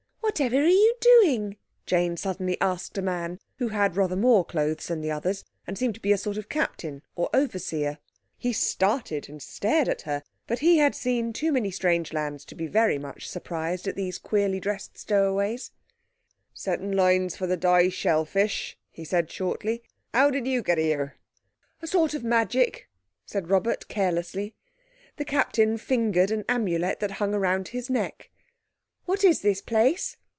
"Whatever are you doing?" Jane suddenly asked a man who had rather more clothes than the others, and seemed to be a sort of captain or overseer. He started and stared at her, but he had seen too many strange lands to be very much surprised at these queerly dressed stowaways. "Setting lines for the dye shell fish," he said shortly. "How did you get here?" "A sort of magic," said Robert carelessly. The Captain fingered an Amulet that hung round his neck. "What is this place?"